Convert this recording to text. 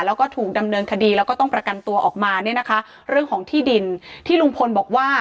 แล้วก็ถูกดำเนินคดีแล้วก็ต้องประกันตัวออกมาเนี่ยนะคะเรื่องของที่ดินที่ลุงพลบอกว่า